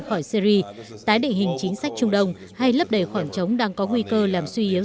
khỏi syri tái định hình chính sách trung đông hay lấp đầy khoảng trống đang có nguy cơ làm suy yếu